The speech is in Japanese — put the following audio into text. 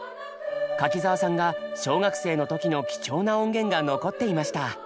柿澤さんが小学生の時の貴重な音源が残っていました。